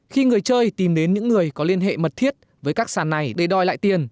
khi người chơi tìm đến những người có liên hệ mật thiết với các sàn này để đòi lại tiền